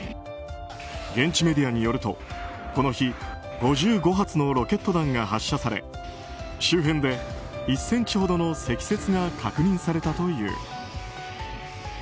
現地メディアによると、この日５５発のロケット弾が発射され周辺で１ｃｍほどの積雪が確認されたという。